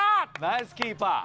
ナイスキーパー！